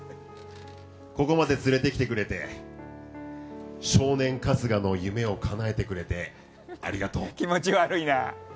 ここまで連れてきてくれて少年・春日の夢をかなえてくれて気持ち悪いな！